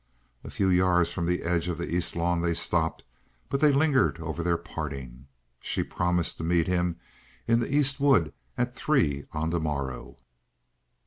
A few yards from the edge of the East lawn they stopped, but they lingered over their parting. She promised to meet him in the East wood at three on the morrow.